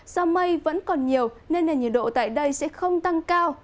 do mây vẫn còn nhiều nên nền nhiệt độ tại đây sẽ không tăng cao